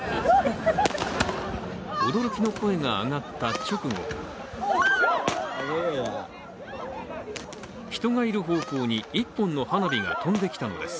驚きの声が上がった直後人がいる方向に１本の花火が飛んできたのです。